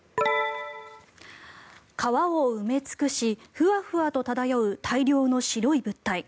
川を埋め尽くしフワフワと漂う大量の白い物体。